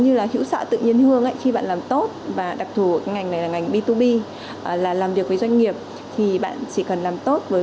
như là đặc thù cái ngành này là ngành b hai b là làm việc với doanh nghiệp thì bạn chỉ cần làm tốt với